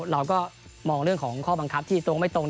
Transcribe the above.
เราก็มองเรื่องของข้อบังคับที่ตรงไม่ตรง